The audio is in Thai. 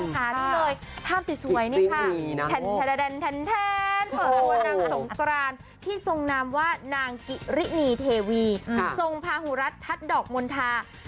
ภาพสวยนี่เปิดรวมว่านางสงครานที่ทรงนามว่านางกิรินีเทวีทรงพาหูรัสทัศน์ดอกมนทา